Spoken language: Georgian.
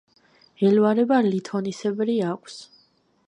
ელვარება ლითონისებრი აქვს.